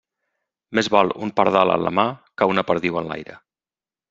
Més val un pardal en la mà que una perdiu en l'aire.